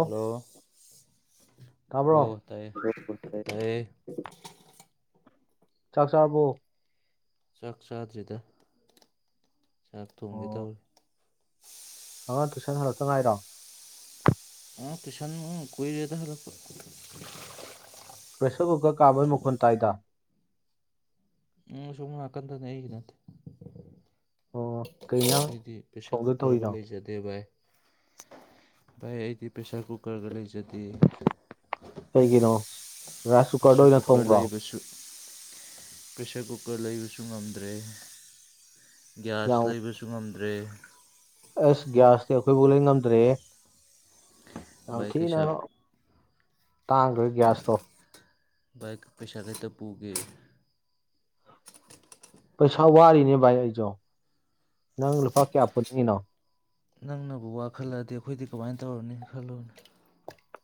hello ꯇꯥꯕ꯭ꯔꯣ ꯑꯣ ꯇꯥꯏꯌꯦ ꯇꯥꯏꯌꯦ ꯆꯥꯛ ꯆꯥꯔꯕꯣ ꯆꯥꯛ ꯆꯥꯗ꯭ꯔꯤꯗ ꯆꯥꯛ ꯊꯣꯡꯒꯦ ꯑꯣ ꯇꯧꯔꯤ ꯑꯉꯥꯡ ꯇꯨꯁꯟ ꯍꯂꯛꯇ ꯉꯥꯏꯔꯣ ꯑꯉꯥꯡ ꯇꯨꯁꯟ ꯀꯣꯏꯔꯦꯗ ꯍꯥꯟꯔꯛꯄ ꯄ꯭ꯔꯦꯁꯔ ꯀꯨꯀ꯭ꯔ ꯀꯥꯝꯕꯒꯤ ꯃꯈꯣꯟ ꯇꯥꯏꯗ ꯎꯝ ꯑꯁꯣꯝ ꯅꯀꯥꯟꯗꯅꯦ ꯑꯩ ꯅꯠꯇꯦ ꯑꯣ ꯀꯩ ꯏꯟꯖꯥꯡ ꯑꯩꯗꯤ ꯄ꯭ꯔꯦꯁꯔ ꯊꯣꯡꯗꯣꯏ ꯀꯨꯀꯔꯒ ꯇꯧꯔꯤꯅꯣ ꯂꯩꯖꯗꯦ ꯕꯥꯏ ꯚꯥꯏ ꯑꯩꯗꯤ ꯄ꯭ꯔꯦꯁꯥꯔ ꯀꯨꯀꯔꯒ ꯂꯩꯖꯗꯦ ꯀꯩꯒꯤꯅꯣ ꯔꯥꯏꯁ ꯀꯨꯀꯔꯗ ꯑꯣꯏꯅ ꯊꯣꯡꯕ꯭ꯔꯣ ꯑꯩꯁꯨ ꯄ꯭ꯔꯦꯁ꯭ꯔ ꯀꯨꯀ꯭ꯔ ꯂꯩꯕꯁꯨ ꯉꯝꯗ꯭ꯔꯦ ꯒ꯭ꯌꯥꯁ ꯌꯥꯝ ꯂꯩꯕꯁꯨ ꯉꯝꯗ꯭ꯔꯦ ꯑꯁ ꯒ꯭ꯌꯥꯁꯇꯤ ꯑꯩꯈꯣꯏꯕꯧ ꯂꯩ ꯉꯝꯗ꯭ꯔꯦꯍꯦ ꯌꯥꯝ ꯚꯥꯏ ꯊꯤꯅ ꯀꯩꯁꯥ ꯇꯥꯡꯗ꯭ꯔꯣ ꯒ꯭ꯌꯥꯁꯇꯣ ꯕꯥꯏꯛ ꯄꯩꯁꯥ ꯈꯤꯇ ꯄꯨꯒꯦ ꯄꯩꯁꯥ ꯋꯥꯔꯤꯅꯤ ꯚꯥꯏ ꯑꯩꯖꯣꯡ ꯅꯪ ꯂꯨꯄꯥ ꯀꯌꯥ ꯄꯨꯅꯤꯡꯉꯤꯅꯣ ꯅꯪꯅꯕꯨ ꯋꯥ ꯈꯜꯂꯗꯤ ꯑꯩꯈꯣꯏꯗꯤ ꯀꯃꯥꯏꯅ ꯇꯧꯔꯅꯤ ꯈꯜꯂꯨꯅꯦ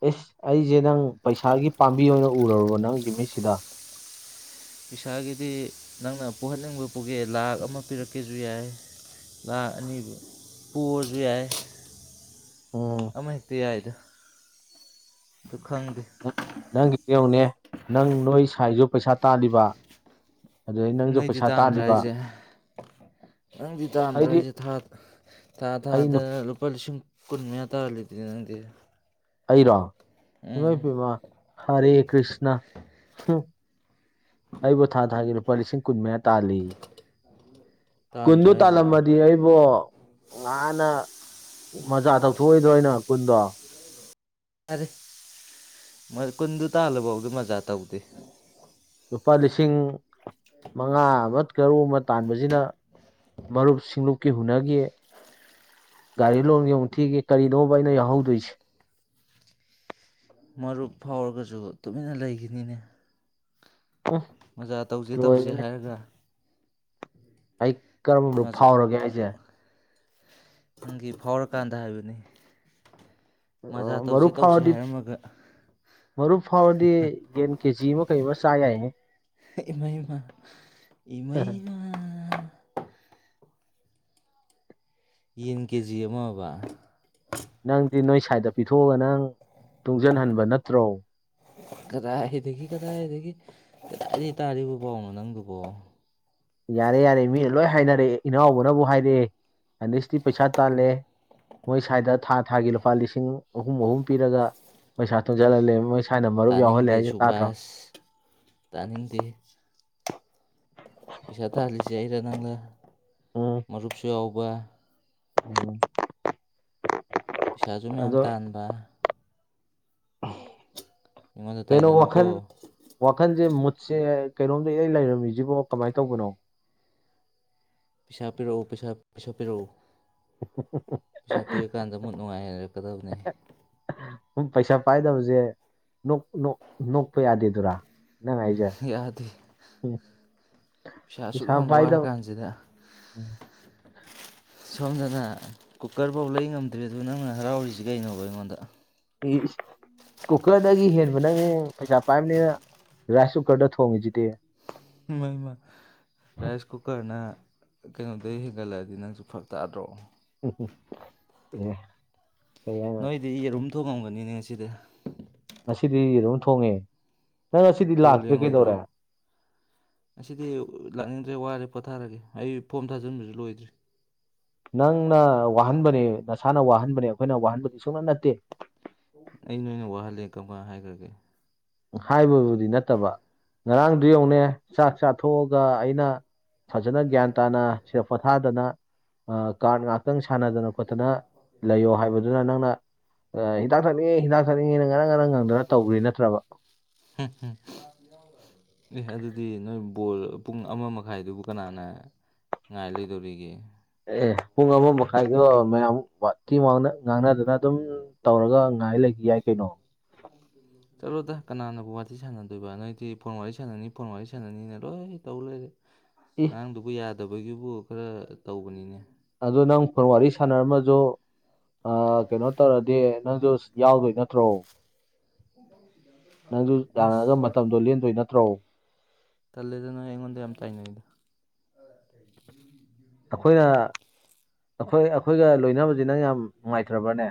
ꯢꯁ ꯑꯩꯁꯦ ꯅꯪ ꯄꯩꯁꯥꯒꯤ ꯄꯥꯝꯕꯤ ꯑꯣꯏꯅ ꯎꯔꯔꯕ ꯅꯪꯒꯤ ꯃꯤꯠꯁꯤꯗ ꯄꯩꯁꯥꯒꯤꯗꯤ ꯅꯪꯅ ꯄꯨꯍꯟꯅꯤꯡꯕ ꯄꯨꯒꯦ ꯂꯥꯛꯈ ꯑꯃ ꯄꯤꯔꯛꯀꯦꯁꯨ ꯌꯥꯏ ꯂꯥꯛ ꯑꯅꯤ ꯄꯨꯔꯁꯨ ꯌꯥꯏ ꯎꯝ ꯑꯃꯍꯦꯛꯇ ꯌꯥꯏꯗ ꯑꯗꯨ ꯈꯪꯗꯦ ꯅꯪꯒꯤ ꯌꯦꯡꯉꯨꯅꯦ ꯅꯪ ꯅꯣꯏ ꯁꯥꯏꯁꯨ ꯄꯩꯁꯥ ꯇꯥꯜꯂꯤꯕ ꯑꯗꯨꯗꯩ ꯅꯪꯖꯨ ꯅꯣꯏꯗꯤ ꯄꯩꯁꯥ ꯇꯥꯟꯗ꯭ꯔꯥ ꯇꯥꯜꯂꯤꯕ ꯍꯥꯏꯁꯦ ꯅꯪꯗꯤ ꯇꯥꯗ꯭ꯔ ꯑꯩꯗꯤ ꯍꯥꯏꯁꯦ ꯊꯥ ꯊꯥ ꯑꯩ ꯊꯥꯗ ꯅꯨꯞ ꯂꯨꯄꯥ ꯂꯤꯁꯤꯡ ꯀꯨꯟ ꯃꯌꯥ ꯇꯥꯜꯂꯤꯗꯨꯗꯤ ꯑꯩꯔꯣ ꯏꯃ ꯎꯝ ꯄꯦꯝꯃꯥ ꯍꯔꯦ ꯀ꯭ꯔꯤꯁꯅ ꯑꯩꯕꯨ ꯊꯥ ꯊꯥꯒꯤ ꯂꯨꯄꯥ ꯂꯤꯁꯤꯡ ꯀꯨꯟ ꯃꯌꯥ ꯇꯥꯜꯂꯦꯌꯦ ꯇꯥꯟꯗ꯭ꯔꯥ ꯀꯨꯟꯗꯨ ꯍꯥꯏꯁꯤꯕꯣ ꯇꯥꯜꯂꯝꯃꯗꯤ ꯑꯩꯕꯨ ꯅꯍꯥꯟꯅ ꯃꯆꯥ ꯇꯧꯊꯣꯛꯑꯣꯏꯗ꯭ꯔꯣ ꯀꯨꯟꯗꯣ ꯌꯥꯔꯦ ꯀꯨꯟꯗꯨ ꯇꯥꯜꯂ ꯐꯥꯎꯗ ꯃꯖꯥ ꯇꯧꯗꯦ ꯂꯨꯄꯥ ꯂꯤꯁꯤꯡ ꯃꯉꯥ ꯑꯃ ꯇꯔꯨꯛ ꯑꯃ ꯇꯥꯟꯕꯁꯤꯗ ꯃꯔꯨꯞ ꯁꯤꯡꯂꯨꯞꯀꯤ ꯍꯨꯟꯅꯈꯤ ꯒꯥꯔꯤ ꯂꯣꯟꯒꯤ ꯑꯃꯨꯛ ꯊꯤꯒꯤ ꯀꯔꯤꯅꯣꯕ ꯑꯩꯅ ꯌꯥꯎꯍꯧꯗꯣꯏꯁꯦ ꯃꯔꯨꯞ ꯐꯥꯎꯔꯒꯁꯨ ꯇꯨꯃꯤꯟꯅ ꯂꯩꯈꯤꯅꯤꯅꯦ ꯎꯝ ꯃꯖꯥ ꯇꯧꯁꯦ ꯇꯧꯁꯦ ꯂꯣꯏꯔꯦꯅꯦ ꯍꯥꯏꯔꯒ ꯑꯩ ꯀꯔꯝꯕ ꯃꯔꯨꯞ ꯃꯁ ꯐꯥꯎꯔꯒꯦ ꯍꯥꯏꯁꯦ [inaudible] ꯅꯪꯒꯤ ꯐꯥꯎꯔꯀꯥꯟꯗ ꯍꯥꯏꯕꯅꯦ ꯑꯣ ꯃꯔꯨꯞ ꯐꯥꯎꯔꯗꯤ ꯃꯔꯨꯞ ꯐꯥꯎꯔꯗꯤ ꯌꯦꯟ ꯀꯦꯁꯤ ꯑꯃ ꯀꯩ ꯑꯃ ꯆꯥ ꯌꯥꯢꯅꯦ ꯏꯃꯩꯃ ꯏꯃꯩꯃ ꯌꯦꯟ ꯀꯦꯖꯤ ꯑꯃꯕ ꯅꯪꯗꯤ ꯅꯣꯏ ꯁꯥꯢꯗ ꯄꯤꯊꯣꯛꯑꯒ ꯅꯪ ꯇꯨꯡꯁꯤꯟꯍꯟꯕ ꯅꯠꯇ꯭ꯔꯣ ꯀꯗꯥꯏꯗꯒꯤ ꯀꯗꯥꯏꯗꯒꯤ ꯀꯗꯥꯏꯗꯒꯤ ꯇꯥꯔꯤꯕ ꯕꯥꯎꯅꯣ ꯅꯪꯒꯤꯕꯣ ꯌꯥꯔꯦ ꯌꯥꯔꯦ ꯃꯤꯅ ꯂꯣꯏ ꯍꯥꯏꯅꯔꯛꯑꯦ ꯏꯅꯥꯎꯕꯅꯕꯨ ꯍꯥꯏꯔꯛꯑꯦ ꯑꯅꯤꯁꯇꯤ ꯄꯩꯁꯥ ꯇꯥꯜꯂꯦ ꯃꯣꯏ ꯁ꯭ꯋꯥꯏꯗ ꯊꯥ ꯊꯥꯒꯤ ꯂꯨꯄꯥ ꯂꯤꯁꯤꯡ ꯑꯍꯨꯝ ꯑꯍꯨꯝ ꯄꯤꯔꯒ ꯄꯩꯁꯥ ꯇꯣꯟꯁꯤꯜꯍꯜꯂꯦ ꯃꯣꯏ ꯁꯥꯏꯅ ꯃꯔꯨꯞ ꯌꯥꯎꯍꯜꯂꯦ ꯇꯥꯅꯤꯡꯗꯦ ꯇꯥꯗ꯭ꯔꯣ ꯁꯨꯕꯥꯁ ꯇꯥꯅꯤꯡꯗꯦ ꯄꯩꯁꯥ ꯇꯥꯜꯂꯤꯁꯦ ꯑꯩꯔ ꯅꯪꯔ ꯎꯝ ꯃꯔꯨꯞꯁꯨ ꯌꯥꯎꯕ ꯎꯝ [inaudible] ꯄꯩꯁꯥꯁꯨ ꯃꯌꯥꯝ ꯑꯗꯣ ꯇꯥꯟꯕ ꯑꯩꯉꯣꯟꯗ ꯀꯩꯅꯣ ꯋꯥꯈꯜ ꯇꯥꯏꯅꯅꯨꯀꯣ ꯋꯥꯈꯟꯁꯦ ꯃꯨꯠꯁꯦ ꯀꯩꯅꯣꯝꯗ ꯏꯔꯩ ꯂꯩꯔꯝꯃꯤꯁꯤꯕꯣ ꯀꯃꯥꯏꯅ ꯇꯧꯕꯅꯣ ꯄꯩꯁꯥ ꯄꯤꯔꯛꯑꯣ ꯄꯩꯁꯥ ꯄꯩꯁꯥ ꯄꯤꯔꯛꯑꯣ ꯄꯩꯁꯥ ꯄꯤꯔꯀꯥꯟꯗ ꯃꯨꯠ ꯅꯨꯡꯉꯥꯏꯔꯛꯀꯗꯕꯅꯤ ꯎꯝ ꯄꯩꯁꯥ ꯄꯥꯏꯗꯕꯁꯦ ꯅꯣꯛꯄ ꯌꯥꯗꯦꯗꯨꯔꯥ ꯅꯪ ꯍꯥꯏꯖꯔ ꯌꯥꯗꯦ ꯎꯝ ꯄꯩꯁꯥ ꯑꯁꯨꯛ ꯌꯥꯝ ꯋꯥꯔ ꯀꯥꯟꯁꯤꯗ ꯑ [unintelligible] ꯁꯣꯝꯗꯅ ꯀꯨꯀꯔꯐꯥꯎ ꯂꯩ ꯉꯝꯗ꯭ꯔꯤ ꯑꯗꯨ ꯅꯪꯅ ꯍꯔꯥꯎꯔꯤꯁꯤ ꯀꯩꯅꯣꯕ ꯑꯩꯉꯣꯟꯗ ꯎ [inaudible] ꯀꯨꯀꯔꯗꯒꯤ ꯍꯦꯟꯕ ꯅꯪꯅꯦ ꯄꯩꯁꯥ ꯄꯥꯏꯕꯅꯤꯅ ꯔꯥꯏꯁ ꯀꯨꯀꯔꯗ ꯊꯣꯡꯉꯤꯁꯤꯗꯤ ꯃꯥꯏ ꯃꯥ ꯔꯥꯏꯁ ꯀꯨꯀꯔꯅ ꯀꯩꯅꯣꯗꯩ ꯍꯦꯟꯒꯠꯂꯛꯑꯗꯤ ꯅꯪꯁꯨ ꯐꯔꯛ ꯇꯥꯗ꯭ꯔꯣ ꯑꯦ ꯀꯩꯌꯥ ꯁꯤꯗꯤ ꯌꯦꯔꯨꯝ ꯊꯣꯛꯣꯡꯉꯝꯒꯅꯤꯅꯦ ꯉꯁꯤꯗ ꯉꯁꯤꯗꯤ ꯑꯗꯨꯝ ꯊꯣꯡꯉꯦ ꯅꯪ ꯉꯁꯤꯗꯤ ꯂꯥꯛꯇ꯭ꯔꯦ ꯀꯩꯗꯧꯔꯦ ꯑꯁꯤꯗꯤ ꯂꯥꯛꯅꯤꯡꯗ꯭ꯔꯦ ꯋꯥꯔꯦ ꯄꯣꯊꯥꯔꯒꯦ ꯑꯩ ꯐꯣꯝ ꯊꯥꯖꯤꯟꯕꯁꯨ ꯂꯣꯏꯗ꯭ꯔꯤ ꯅꯪꯅ ꯋꯥꯍꯟꯕꯅꯦ ꯅꯁꯥꯅ ꯋꯥꯍꯟꯕꯅꯦ ꯑꯩꯈꯣꯏꯅ ꯋꯥꯍꯟꯕꯗꯤ ꯁꯨꯡꯅ ꯅꯠꯇꯦ ꯑꯩ ꯅꯣꯏꯅ ꯋꯥꯍꯜꯂꯦ ꯀꯔꯃꯥꯏꯅ ꯍꯥꯏꯈ꯭ꯔꯒꯦ ꯍꯥꯏꯕꯕꯨꯗꯤ ꯅꯠꯇꯕ ꯉꯔꯥꯡꯗꯨ ꯌꯧꯅꯦ ꯆꯥꯛ ꯆꯥꯊꯣꯛꯑꯒ ꯑꯩꯅ ꯐꯖꯅ ꯒ꯭ꯌꯥꯟ ꯇꯥꯅ ꯁꯦ ꯄꯣꯊꯥꯗꯅ ꯀꯥꯔꯠ ꯉꯥꯛ ꯈꯤꯇꯪ ꯁꯥꯟꯅꯗꯅ ꯈꯣꯠꯇꯅ ꯂꯩꯌꯣ ꯍꯥꯏꯕꯗꯨꯅ ꯅꯪꯅ ꯍꯤꯗꯥꯛ ꯊꯛꯅꯤꯡꯉꯦ ꯍꯤꯗꯥꯛ ꯊꯛꯅꯤꯡꯉꯦ ꯅꯪ ꯉꯔꯥꯡ ꯉꯔꯥꯡ ꯉꯪꯗꯅ ꯇꯧꯈ꯭ꯔꯤ ꯅꯠꯇ꯭ꯔꯕ ꯎꯝ ꯎꯝ ꯑꯦꯍ ꯑꯗꯨꯗꯤ ꯅꯣꯏ ꯕꯣꯜ ꯄꯨꯡ ꯑꯃ ꯃꯈꯥꯏꯗꯨꯕꯨ ꯀꯅꯥꯅ ꯉꯥꯏ ꯂꯩꯗꯣꯔꯤꯒꯦ ꯑꯦ ꯄꯨꯡ ꯑꯃ ꯃꯈꯥꯏꯗꯣ ꯃꯌꯥꯝꯤ ꯉꯥꯡꯅꯗꯅ ꯑꯗꯨꯝ ꯇꯧꯔꯒ ꯉꯥꯏ ꯂꯩꯈꯤ ꯌꯥꯏ ꯀꯩꯅꯣ ꯄꯝꯣ ꯆꯠꯂꯣꯗ ꯀꯅꯥꯅꯕꯨ ꯋꯥꯔꯤꯇ ꯁꯥꯟꯅꯗꯣꯏꯕ ꯅꯣꯏꯗꯤ ꯐꯣꯟ ꯋꯥꯔꯤ ꯁꯥꯟꯅꯅꯤ ꯐꯣꯟ ꯋꯥꯔꯤ ꯁꯥꯟꯅꯅꯤꯅ ꯂꯣꯏ ꯇꯧ ꯂꯩꯔꯦ ꯏ ꯑꯉꯥꯡꯗꯨꯕꯨ ꯌꯥꯗꯕꯒꯤꯕꯨ ꯈꯔ ꯇꯧꯕꯅꯤꯅꯦ ꯑꯗꯨꯣ ꯅꯪ ꯐꯣꯟ ꯋꯥꯔꯤ ꯁꯥꯟꯅꯔꯝꯃꯁꯨ ꯀꯩꯅꯣ ꯇꯧꯔꯗꯤ ꯅꯪꯁꯨ ꯌꯥꯎꯗꯣꯏ ꯅꯠꯇ꯭ꯔꯣ ꯅꯪꯁꯨ ꯑꯁ ꯌꯥꯅꯔꯒ ꯃꯇꯝꯗꯣ ꯂꯦꯟꯗꯣꯏ ꯅꯠꯇ꯭ꯔꯣ ꯇꯜꯦꯗꯅꯣ ꯌꯦꯉꯣꯟꯣ ꯌꯥꯝ ꯇꯥꯏꯅꯗ ꯌ ꯌ ꯑꯩꯈꯣꯏꯅ ꯑꯩꯈꯣꯏ ꯑꯩꯈꯣꯏꯒ ꯂꯣꯏꯅꯕꯖꯤꯅ ꯌꯥꯝ ꯅꯨꯡꯉꯥꯏꯇ꯭ꯔꯕꯅꯦ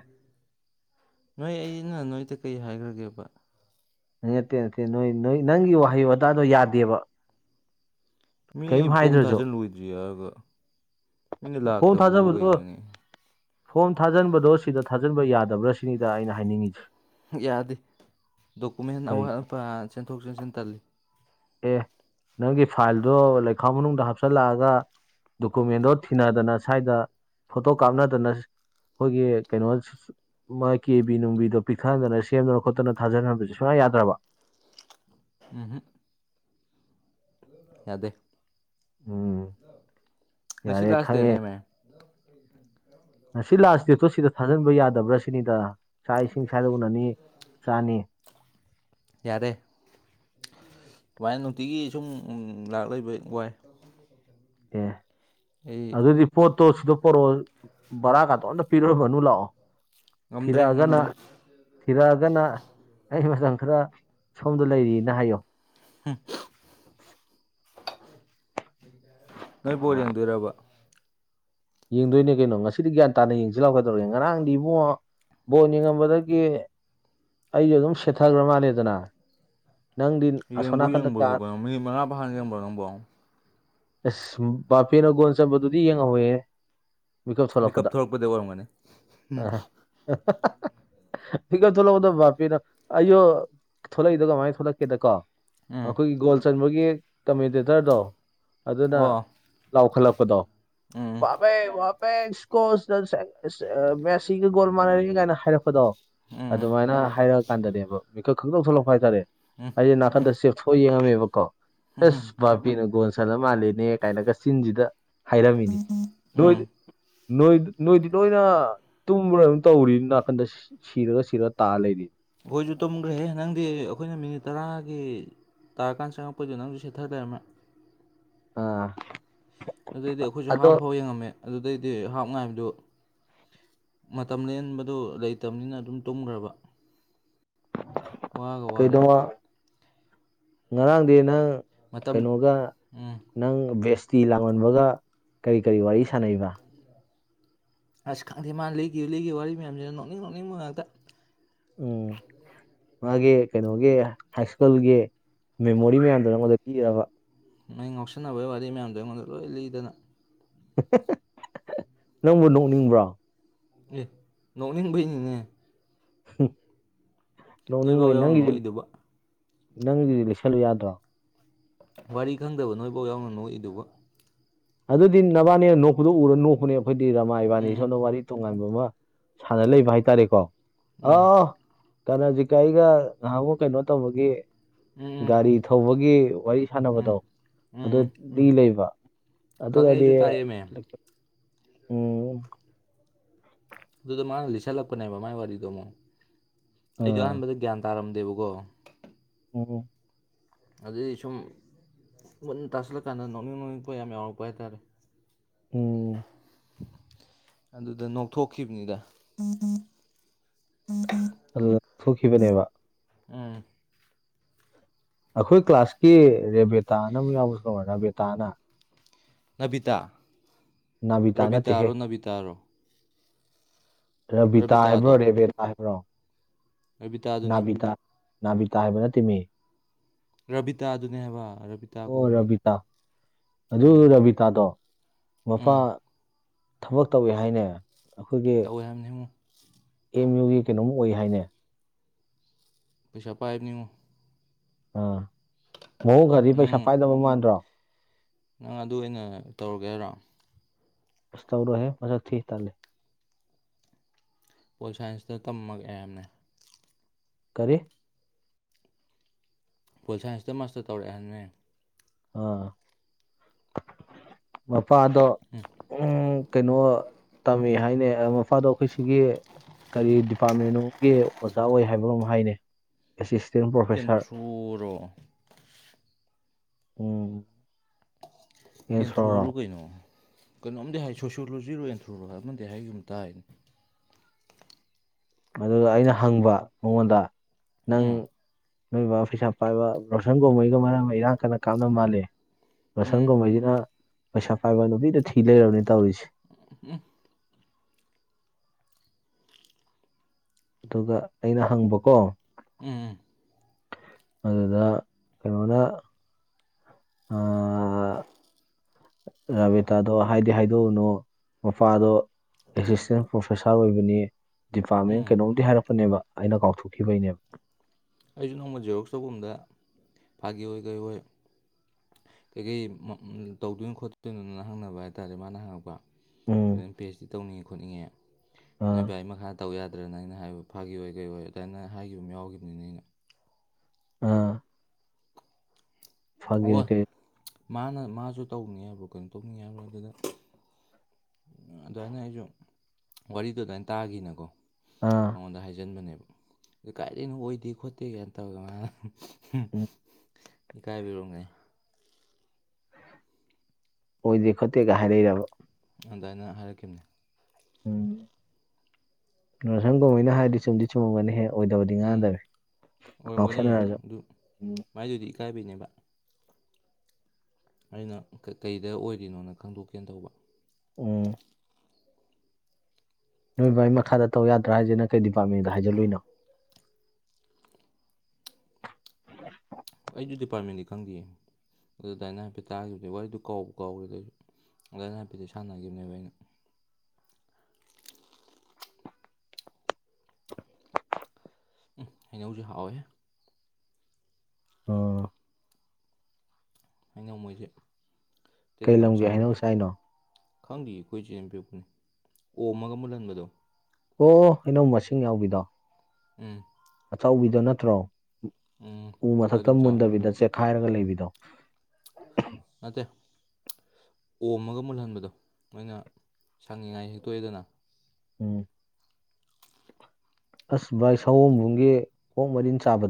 ꯅꯣꯏ ꯑꯩꯅ ꯅꯣꯏꯗ ꯀꯔꯤ ꯍꯥꯏꯈ꯭ꯔꯒꯦꯕ ꯅꯠꯇꯦ ꯅꯠꯇꯦ ꯅꯣꯏ ꯅꯣꯏ ꯅꯪꯒꯤ ꯋꯥꯍꯩ ꯋꯥꯇꯥꯗꯣ ꯌꯥꯗꯦꯕ ꯃꯤ ꯀꯔꯤꯝ ꯄꯣꯝ ꯍꯥꯏꯗ꯭ꯔꯁꯨ ꯊꯥꯖꯤꯜꯂꯣꯏꯗ꯭ꯔꯤ ꯍꯥꯏꯔꯒ ꯃꯤꯅ ꯐꯣꯝ ꯂꯥꯛꯇꯕꯕꯨ ꯊꯥꯖꯕꯗꯣ ꯀꯩꯅꯣꯅꯤ ꯐꯣꯝ ꯊꯥꯖꯤꯟꯕꯗꯣ ꯁꯤꯗ ꯊꯥꯖꯤꯟꯕ ꯌꯥꯗꯕ꯭ꯔꯥ ꯁꯤꯅꯤꯗ ꯑꯩꯅ ꯍꯥꯏꯅꯤꯡꯉꯤꯁꯦ ꯌꯥꯗꯦ ꯗꯣꯀꯨꯃꯦꯟ ꯑꯋꯥꯠ ꯀꯔꯤꯒꯤꯅꯣ ꯑꯄꯥ ꯆꯦꯟꯊꯣꯛ ꯆꯦꯟꯁꯤꯟ ꯇꯜꯂꯤ ꯑꯦ ꯅꯪꯒꯤ ꯐꯥꯏꯜꯗꯣ ꯂꯩꯈꯥꯎ ꯃꯅꯨꯡꯗ ꯍꯥꯞꯆꯜꯂꯛꯑꯒ ꯗꯣꯀꯨꯃꯦꯟꯗꯣ ꯊꯤꯅꯗꯅ ꯁ꯭ꯋꯥꯏꯗ ꯐꯣꯇꯣ ꯀꯥꯞꯅꯗꯅ ꯑꯩꯈꯣꯏꯒꯤ ꯀꯩꯅꯣ ꯃꯥꯒꯤ ꯀꯦꯕꯤ ꯅꯨꯡꯕꯤꯗꯣ ꯄꯤꯛꯊꯍꯟꯗꯅ ꯁꯦꯝꯗꯅ ꯈꯣꯠꯇꯅ ꯊꯥꯟꯍꯟꯕꯁꯨ ꯁꯨꯡꯌꯥ ꯌꯥꯗ꯭ꯔꯕ ꯎꯝ ꯍ ꯌꯥꯗꯦ ꯎꯝ ꯉꯁꯤ ꯌꯥꯔꯦ ꯂꯥꯁ ꯗꯦꯠ ꯈꯪꯉꯦ ꯅꯦꯃꯦ [inaudible] ꯉꯁꯤ ꯂꯥꯁ ꯗꯦꯠꯇꯣ ꯁꯤꯗ ꯊꯥꯖꯤꯟꯕ ꯌꯥꯗꯕ꯭ꯔꯥ ꯁꯤꯅꯤꯗ ꯆꯥꯛ ꯏꯁꯤꯡ ꯁꯋꯥꯗ ꯎꯅꯅꯤ ꯆꯥꯅꯤ ꯌꯥꯔꯦ ꯁꯨꯃꯥꯏꯅ ꯅꯨꯡꯇꯤꯒꯤ ꯁꯨꯝ ꯎꯝ ꯂꯥꯛ ꯂꯩꯕ ꯋꯥꯏ ꯑꯦ ꯑꯩ ꯑꯗꯨꯗꯤ ꯄꯣꯠꯇꯣ ꯁꯤꯗ ꯄꯣꯔꯛꯑꯣ ꯚꯔꯥ ꯀꯥꯇꯣ ꯑꯝꯇ ꯄꯤꯔꯝꯃꯅꯨ ꯂꯥꯛꯑꯣ ꯉꯝꯗ꯭ꯔꯦ ꯊꯤꯔꯛꯑꯒꯅ ꯉꯝꯗ꯭ꯔꯦ ꯊꯤꯔꯛꯑꯒꯅ ꯑꯩ ꯃꯇꯝ ꯈꯔ ꯁꯣꯝꯗ ꯂꯩꯔꯤꯅ ꯍꯥꯏꯌꯣ ꯍꯝ ꯅꯣꯏꯕꯨꯣ ꯌꯦꯡꯗꯣꯏꯔꯕ ꯌꯦꯡꯗꯣꯏꯅꯦ ꯀꯩꯅꯣ ꯉꯁꯤꯗꯤ ꯒ꯭ꯌꯥꯟ ꯇꯥꯅ ꯌꯦꯡꯁꯤ ꯂꯥꯛꯀꯗꯧꯔꯒꯦ ꯉꯔꯥꯡꯗꯤ ꯏꯕꯣ ꯕꯣꯠ ꯌꯦꯡꯉꯝꯕꯗꯒꯤ ꯑꯩꯁꯨꯦ ꯑꯗꯨꯝ ꯁꯦꯠꯊꯈ꯭ꯔ ꯃꯥꯜꯂꯗꯅ ꯌꯦꯡꯕꯨ ꯀꯥ ꯌꯦꯡꯕꯒꯤꯣ ꯃꯤꯅꯤꯠ ꯃꯉꯥ ꯐ ꯍꯥꯟ ꯌꯦꯡꯕ꯭ꯔꯣ ꯅꯪꯕꯣ ꯑꯁ ꯕꯥꯐꯦꯅ ꯒꯣꯟ ꯆꯟꯝꯕꯗꯨꯗꯤ ꯌꯦꯡꯍꯧꯋꯦ ꯃꯤꯦꯀꯞ ꯊꯣꯛꯂꯛꯄꯗꯩ ꯑꯣꯏꯔꯝꯒꯅꯤ ꯐꯤꯀ ꯊꯣꯛꯂꯛꯎꯗ ꯚꯞꯄꯤꯅꯣ ꯑꯌꯣ ꯊꯣꯛꯂꯛꯏꯗ ꯀꯃꯥꯏ ꯊꯣꯛꯂꯛꯀꯦꯗꯀꯣ ꯎꯝ ꯑꯩꯈꯣꯏꯒꯤ ꯒꯣꯜ ꯆꯟꯕꯒꯤ ꯀꯃꯦꯟꯇꯦꯇꯔꯗꯣ ꯑꯗꯨꯅ ꯑꯣ ꯂꯥꯎꯈꯠꯂꯛꯄꯗꯣ ꯎꯝ [unintelligible] ꯕꯦꯁꯀꯣꯁ [unintelligible] ꯃꯦꯁꯤꯒ ꯒꯣꯜ ꯃꯥꯟꯅꯔꯤ ꯀꯥꯏꯅ ꯍꯥꯏꯔꯛꯄꯗꯣ ꯎꯝ ꯑꯗꯨꯃꯥꯏꯅ ꯍꯥꯏꯔꯛꯑ ꯀꯥꯟꯗꯅꯦꯕ ꯃꯤꯀꯞ ꯈꯪꯊꯣꯛ ꯊꯣꯛꯂꯛꯄ ꯍꯥꯏ ꯇꯥꯔꯦ ꯑꯩꯖꯦ ꯅꯥꯀꯟꯗ ꯆꯦꯞꯊꯣꯛ ꯑ ꯌꯦꯡꯉꯝꯃꯦꯕꯀꯣ ꯏꯁ ꯎꯝ ꯕꯥꯥꯄꯤꯅ ꯒꯣꯟ ꯆꯜꯂ ꯃꯥꯜꯂꯦꯅꯦ ꯀꯥꯏꯅꯒ ꯆꯤꯟꯁꯤꯗ ꯍꯥꯏꯔꯝꯃꯤꯅꯦ ꯅꯣꯏ ꯎꯝ ꯅꯣꯏ ꯅꯣꯏꯗꯤ ꯂꯣꯏꯅ ꯇꯨꯝꯕ꯭ꯔꯥ ꯑꯗꯨꯝ ꯇꯧꯔꯤ ꯅꯥꯀꯟꯗ ꯁꯤꯔꯒ ꯁꯤꯔ ꯇꯥ ꯂꯩꯅꯤ ꯈꯣꯏꯁꯨ ꯇꯝꯈ꯭ꯔꯦꯍꯦ ꯅꯪꯗꯤ ꯑꯩꯈꯣꯏꯅ ꯃꯤꯅꯤꯠ ꯇꯔꯥꯒꯤ ꯇꯥꯔꯀꯥꯟ ꯆꯪꯉꯛꯄꯗꯨꯗ ꯅꯪꯁꯨ ꯁꯦꯠꯊ ꯂꯩꯔꯝꯃꯦ ꯑ ꯑꯗꯨꯗꯩꯗꯤ ꯑꯩꯈꯣꯏꯁꯨ ꯍꯥꯞ ꯐꯥꯎ ꯌꯦꯡꯉꯝꯃꯦ ꯑꯗꯨꯗꯩꯗꯤ ꯍꯥꯞ ꯉꯥꯏꯕꯗꯨ ꯃꯇꯝ ꯂꯦꯟꯕꯗꯨ ꯂꯩꯇꯝꯅꯤꯅ ꯑꯗꯨꯝ ꯇꯨꯝꯒ꯭ꯔꯕ ꯋꯥꯒ ꯋꯥꯔꯦ ꯀꯩꯅꯣꯃ ꯉꯔꯥꯡꯗꯤ ꯅꯪ ꯃꯇꯝ ꯀꯩꯅꯣꯒ ꯎꯝ ꯅꯪ ꯕꯦꯁꯇꯤ ꯂꯥꯡꯑꯣꯟꯕꯒ ꯀꯔꯤ ꯀꯔꯤ ꯋꯥꯔꯤ ꯁꯥꯅꯩꯕ ꯑꯁ ꯈꯪꯗꯦ ꯃꯥꯅ ꯂꯩꯒꯤꯕ ꯂꯩꯒꯤꯕ ꯋꯥꯔꯤ ꯃꯌꯥꯝꯁꯤꯅ ꯅꯣꯛꯅꯤꯡ ꯅꯣꯛꯅꯤꯡꯕ ꯉꯥꯛꯇ ꯎꯝ ꯃꯥꯒꯤ ꯀꯩꯅꯣꯒꯤ ꯍꯥꯏ ꯁ꯭ꯀꯨꯜꯒꯤ ꯃꯦꯃꯣꯔꯤ ꯃꯌꯥꯝꯗꯨ ꯅꯉꯣꯟꯗ ꯄꯤꯔꯤꯔꯕ ꯃꯩ ꯉꯥꯎꯁꯤꯟꯅꯕꯩ ꯋꯥꯔꯤ ꯃꯌꯥꯝꯗꯣ ꯑꯩꯉꯣꯟꯗ ꯂꯣꯏ ꯂꯤꯗꯅ ꯅꯪꯕꯨ ꯅꯣꯛꯅꯤꯡꯕ꯭ꯔꯣ ꯑꯦ ꯅꯣꯡꯅꯤꯡ ꯕꯩꯅꯤꯅꯦ ꯅꯣꯏꯐꯧ ꯅꯣꯡꯅꯤꯡꯕꯩ ꯌꯥꯎꯅ ꯅꯪꯒꯤꯖꯨ ꯅꯣꯛꯏꯗꯨꯕ ꯅꯪꯒꯤꯖꯨ ꯂꯩꯁꯜꯂꯨ ꯌꯥꯗ꯭ꯔꯣ ꯋꯥꯔꯤ ꯈꯪꯗꯕ ꯅꯣꯏꯐꯥꯎ ꯌꯥꯎꯅ ꯅꯣꯛꯏꯗꯨꯕꯨ ꯑꯗꯨꯗꯤ ꯅꯕꯥꯟꯅꯤꯅ ꯅꯣꯛꯄꯗꯣ ꯎꯔ ꯅꯣꯛꯄꯅꯦ ꯑꯈꯣꯏꯗꯤ ꯔꯃꯥ ꯎꯝ ꯏꯕꯥꯟꯅꯤ ꯎꯝ ꯎꯝ ꯁꯣꯝꯗ ꯋꯥꯔꯤ ꯇꯣꯡꯉꯥꯟꯕ ꯑꯃ ꯁꯥꯟꯅ ꯂꯩꯕ ꯍꯥꯏꯇꯥꯔꯦꯀꯣ ꯎꯝ ꯑꯧ ꯀꯔꯅꯖꯤꯠ ꯀ ꯑꯩꯒ ꯉꯍꯥꯟꯃꯨꯛ ꯀꯩꯅꯣ ꯇꯧꯕꯒꯤ ꯎꯝ ꯎꯝ ꯒꯥꯔꯤ ꯊꯧꯕꯒꯤ ꯋꯥꯔꯤ ꯎꯝ ꯁꯥꯟꯅꯕꯗꯣ ꯎꯝ ꯑꯗꯨ ꯎꯝ ꯂꯤ ꯂꯩꯕ ꯈꯪꯉꯦ ꯑꯗꯨꯒꯗꯤ ꯑꯩꯁꯨꯨ ꯇꯥꯏꯌꯦ ꯃꯦ ꯎꯝ ꯑꯗꯨꯗ ꯃꯥꯅ ꯂꯤꯁꯜꯂꯛꯄꯅꯦꯕ ꯃꯥꯏ ꯋꯥꯔꯤꯗꯣ ꯑꯃꯨꯛ ꯑ ꯑꯩꯖꯨ ꯑꯍꯥꯟꯕꯗ ꯒ꯭ꯌꯥꯟ ꯇꯥꯔꯝꯗꯦꯕꯀꯣ ꯑꯣ ꯑꯗꯨꯗꯒꯤ ꯁꯨꯝ ꯃꯨꯟꯅ ꯇꯥꯁꯤꯜꯂ ꯀꯥꯟꯗ ꯅꯣꯛꯅꯤꯡ ꯅꯣꯛꯅꯤꯡ ꯉꯛꯄ ꯌꯥꯝ ꯌꯥꯎꯔꯛꯄ ꯍꯥꯏꯇꯥꯔꯦ ꯎꯝ ꯑꯗꯨꯗ ꯅꯣꯛꯊꯣꯛꯈꯤꯕꯅꯤꯗ ꯑꯗꯨꯗ ꯊꯣꯛꯈꯤꯕꯅꯦꯕ ꯎꯝ ꯑꯩꯈꯣꯏ ꯀ꯭ꯂꯥꯁꯀꯤ ꯔꯦꯕꯦꯇꯥꯅ ꯑꯃꯨꯛ ꯌꯥꯎꯕꯁꯨ ꯀꯧꯔꯣ ꯔꯦꯕꯦꯇꯥꯅ ꯅꯕꯤꯇꯥ ꯅꯥꯕꯤꯇꯥ ꯅꯠꯇꯦꯍꯦ ꯔꯕꯤꯇꯥꯔꯣ ꯅꯕꯤꯇꯥꯔꯣ ꯔꯕꯤꯇꯥ ꯍꯥꯏꯕ꯭ꯔꯣ ꯔꯕꯤꯇꯥꯗꯣ ꯔꯦꯕꯦꯇꯥ ꯍꯥꯏꯕ꯭ꯔꯣ ꯔꯕꯤꯇꯥꯗꯨꯅꯤ ꯅꯥꯕꯤꯇꯥ ꯅꯥꯕꯤꯇꯥ ꯍꯥꯏꯕ ꯅꯠꯇꯦꯃꯤ ꯔꯕꯤꯇꯥꯗꯨꯅꯦ ꯍꯥꯏꯕ ꯔꯕꯤ ꯑꯣ ꯔꯕꯤꯇꯥ ꯑꯗꯨ ꯎꯝ ꯔꯕꯤꯇꯥꯗꯣ ꯎꯝ ꯃꯄꯥꯥ ꯊꯕꯛ ꯇꯧꯋꯦ ꯍꯥꯏꯅꯦ ꯑꯈꯣꯏꯒꯤ ꯑꯣꯏꯔꯝꯅꯤꯉꯣ ꯑꯦꯝ ꯌꯨꯒꯤ ꯀꯩꯅꯣꯝ ꯑꯣꯏ ꯍꯥꯏꯅꯦ ꯄꯩꯁꯥ ꯄꯥꯏꯕꯅꯤꯉꯣ ꯑꯥ ꯃꯑꯣꯡ ꯈꯔꯗꯤ ꯅꯪ ꯄꯩꯁꯥ ꯄꯥꯏꯗꯕ ꯃꯥꯟꯗ꯭ꯔꯣ ꯅꯪ ꯑꯗꯨ ꯑꯣꯏꯅ ꯇꯧꯔꯒꯦ ꯍꯥꯏꯔꯣ ꯁꯇꯧꯔ ꯍ ꯃꯁꯥ ꯊꯤ ꯇꯇꯥꯂꯦ ꯄꯣꯜ ꯁꯥꯏꯟꯁꯇ ꯇꯝꯃꯛꯒ ꯑꯌꯥꯝꯕꯅ ꯀꯔꯤꯦ ꯄꯣꯜ ꯁꯥꯏꯟꯁꯇ ꯃꯥꯁꯇꯔ ꯇꯧꯔꯛꯦꯍꯅꯦ ꯑꯥ ꯃꯄꯥꯗꯣ ꯎ ꯀꯩꯅꯣ ꯇꯝꯃꯤ ꯍꯥꯏꯅꯦ ꯃꯄꯥꯗꯣ ꯑꯩꯈꯣꯏ ꯁꯤꯒꯤ ꯀꯔꯤ ꯗꯤꯄꯥꯔꯠꯃꯦꯟꯒꯤ ꯑꯣꯖꯥ ꯑꯣꯏ ꯍꯥꯏꯕꯅꯣ ꯑꯃ ꯍꯥꯏꯅꯤ ꯏꯟꯊ꯭ꯔꯨꯔꯣ ꯎꯨꯝ ꯌꯦꯟꯊ꯭ꯔꯨꯔꯣ ꯀꯩꯅꯣ ꯀꯩꯅꯣꯝꯗꯤ ꯍꯥꯏ ꯁꯣꯁꯤꯌꯣꯂꯣꯖꯤꯔꯣ ꯑꯦꯟꯊ꯭ꯔꯣꯔꯣ ꯑꯃꯗꯤ ꯍꯥꯏꯒꯨꯝ ꯇꯥꯏꯅꯤ ꯑꯗꯨꯗ ꯑꯩꯅ ꯍꯪꯕ ꯃꯉꯣꯟꯗ ꯅꯪ ꯎꯝ ꯅꯣꯏꯕꯕꯥ ꯐꯩꯁꯥ ꯄꯥꯏꯕ ꯔꯣꯁꯟ ꯀꯨꯝꯍꯩꯒ ꯃꯔꯝ ꯑꯃ ꯏꯔꯥꯡ ꯀꯟꯅ ꯀꯥꯞꯅ ꯃꯥꯜꯂꯤ ꯎꯝ ꯃꯁꯪꯒꯨꯝꯍꯩꯁꯤꯅ ꯄꯩꯁꯥ ꯄꯥꯏꯕ ꯅꯨꯄꯤꯗ ꯊꯤ ꯂꯩꯔꯕꯅꯤ ꯇꯧꯔꯤꯁꯦ [unintelligible] ꯑꯗꯨꯒ ꯑꯩꯅ ꯍꯪꯕꯀꯣ ꯎꯝ ꯑꯗꯨꯗ ꯀꯩꯅꯣꯅ ꯑ ꯑ ꯔꯥꯕꯤꯦꯇꯥꯗꯣ ꯍꯥꯏꯗꯤ ꯍꯥꯏꯗꯣꯛꯎꯨꯅꯨ ꯃꯄꯥꯗꯣ ꯑꯦꯁꯤꯁꯇꯦꯟ ꯄ꯭ꯔꯣꯐꯦꯁꯥꯔ ꯑꯣꯏꯕꯅꯤ ꯗꯤꯄꯥꯔꯠꯃꯦꯟ ꯎꯝ ꯀꯩꯅꯣꯝꯇ ꯍꯥꯏꯔꯛꯄꯅꯦꯕ ꯑꯩꯅ ꯀꯥꯎꯊꯣꯛꯈꯤꯕꯩꯅꯦꯕ ꯑꯩꯁꯨ ꯅꯣꯡꯃ ꯖꯦꯔꯣꯛꯁ ꯇꯧꯧꯕꯗ ꯐꯥꯒꯤ ꯑꯣꯏ ꯀꯩ ꯑꯣꯏ ꯀꯩꯀꯩ ꯇꯧꯗꯣꯏꯅꯣ ꯈꯣꯠꯇꯣꯏꯅꯣꯅ ꯍꯪꯅꯕ ꯍꯥꯏꯇꯥꯔꯦ ꯃꯥꯅ ꯍꯪꯉꯛꯄ ꯎꯝ ꯑꯗꯨꯝ ꯄꯦꯁꯇꯤ ꯇꯧꯅꯤꯡꯉꯦ ꯈꯣꯠꯅꯤꯡꯉꯦ ꯑꯥ ꯅꯣꯏ ꯚꯒꯤ ꯃꯈꯥꯗ ꯇꯧ ꯌꯥꯗ꯭ꯔꯅ ꯑꯩꯅ ꯍꯥꯏꯕ ꯐꯥꯈꯤꯕ ꯑꯣꯏ ꯀꯩ ꯑꯣꯏ ꯑꯗꯨꯃꯥꯏꯅ ꯍꯥꯏꯈꯤꯕ ꯑꯃ ꯌꯥꯎꯈꯤꯕꯅꯤꯅ ꯑꯩꯅ ꯑꯥ ꯑꯣ ꯐꯥꯒꯤ ꯀꯩ ꯃꯥꯅ ꯃꯥꯁꯨ ꯇꯧꯕꯅꯤ ꯍꯥꯏꯕ꯭ꯔꯣ ꯀꯩꯅꯣ ꯇꯧꯅꯤ ꯍꯥꯏꯕ꯭ꯔꯣ ꯑꯗꯨꯗ ꯑꯗꯨꯃꯥꯏꯅ ꯑꯩꯁꯨ ꯋꯥꯔꯤꯗ ꯑꯗꯨꯃꯥꯏꯅ ꯇꯥꯈꯤꯅꯀꯣ ꯑꯥ ꯃꯉꯣꯟꯗ ꯍꯥꯏꯖꯤꯟꯕꯅꯦꯕ ꯑ ꯀꯥꯏꯗꯩꯅꯣ ꯑꯣꯏꯗꯦ ꯈꯣꯠꯇꯦ ꯀꯥꯏꯅ ꯇꯧꯔꯒ ꯃꯥꯅ ꯎꯝ ꯀꯥꯏꯕꯤꯨꯑꯣ ꯉꯥꯏ ꯑꯣꯗꯤꯛꯇꯩ ꯀꯘꯍꯔꯔꯔꯕ ꯑꯗꯨꯗꯥꯏꯅ ꯍꯥꯏꯔꯛꯈꯤꯕꯅꯦ ꯎꯝ ꯌꯥꯁꯪ ꯀꯧꯍꯩꯅ ꯍꯥꯏꯗꯤ ꯆꯨꯝꯗꯤ ꯆꯨꯝꯃꯝꯒꯅꯤ ꯍꯦꯛ ꯑꯣꯏꯗꯕꯗꯤ ꯎꯝ ꯉꯥꯡꯗꯕꯦ ꯑꯣꯏꯔꯝꯒꯅꯤꯌꯦ ꯉꯥꯎꯁꯟꯅꯔꯁꯨ ꯑꯗꯨ ꯎꯝ ꯃꯥꯏꯗꯨꯗꯤ ꯏꯀꯥꯏꯕꯤꯅꯦꯕ ꯑꯩꯅ ꯀꯩ ꯀꯩꯗ ꯑꯣꯏꯔꯤꯅꯣꯅ ꯈꯪꯗꯣꯛꯀꯦꯅ ꯇꯧꯕ ꯎꯝ ꯅꯣꯏ ꯕꯥꯏ ꯃꯈꯥꯗ ꯇꯧ ꯌꯥꯗ꯭ꯔ ꯍꯥꯏꯖꯦ ꯅꯪ ꯀꯩ ꯗꯤꯄꯥꯔꯠꯃꯦꯟꯗ ꯍꯥꯏꯖꯜꯂꯨꯏꯅꯣ ꯍꯣꯏ ꯑꯩꯗꯤ ꯗꯤꯄꯥꯔꯠꯃꯦꯟꯗꯤ ꯈꯪꯗꯤꯌꯦ ꯑꯗꯨ ꯗꯥꯏꯅꯥ ꯍꯥꯏꯐꯦꯠ ꯇꯥꯒꯤꯕꯗꯩ ꯋꯥꯔꯤꯗꯣ ꯀꯥꯎꯕꯨ ꯀꯥꯎꯒ꯭ꯔꯦꯗ ꯑꯩꯁꯨ ꯗꯥꯏꯅꯥ ꯍꯥꯏꯐꯦꯠꯇꯤ ꯁꯥꯟꯅꯒꯤꯕꯅꯦꯕ ꯑꯩꯅ ꯎꯝ ꯍꯩꯅꯧꯖꯦ ꯍꯥꯎꯋꯦ ꯑꯣ ꯑꯩꯅ ꯃꯣꯏꯁꯦ ꯀꯩ ꯇꯤꯟꯒꯝ ꯂꯝꯒꯤ ꯆꯥꯗꯦ ꯍꯩꯅꯧ ꯆꯥꯏꯅꯣ ꯈꯪꯗꯦ ꯑꯩꯈꯣꯏ ꯆꯦꯝꯕꯤꯤꯔꯛꯄꯅꯦ ꯑꯣ ꯑꯃꯒ ꯃꯨꯜꯍꯟꯕꯗꯣ ꯑꯣ ꯑꯩꯅꯧ ꯃꯁꯤꯡ ꯌꯥꯎꯕꯤꯗꯣ ꯎꯝ ꯑꯆꯧꯕꯤꯗꯣ ꯅꯠꯇ꯭ꯔꯣ ꯎꯝ ꯎ ꯃꯊꯛꯇ ꯀꯥꯗꯨꯝ ꯃꯨꯟꯗꯕꯤꯗ ꯆꯦꯛꯈꯥꯏꯔꯒ ꯂꯩꯕꯤꯗꯣ ꯅꯠꯇ ꯑꯣꯝꯃꯒ ꯃꯨꯜꯍꯟꯕꯗꯣ ꯅꯣꯏꯅ ꯁꯪꯅꯤꯡꯉꯥꯏ ꯍꯦꯛꯇꯣꯛꯑꯦꯗꯅ ꯎꯝ ꯑꯁ ꯚꯥꯏ ꯁꯑꯣꯝꯕꯨꯡꯒꯤ ꯑꯣꯛ ꯃꯔꯤꯟ ꯆꯥꯕꯗꯣ